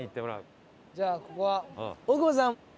じゃあここは大久保さん。